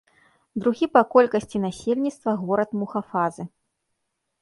Другі па колькасці насельніцтва горад мухафазы.